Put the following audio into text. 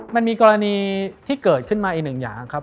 มันมีกรณีที่เกิดขึ้นมาอีกหนึ่งอย่างครับ